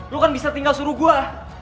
lu kan bisa tinggal suruh gua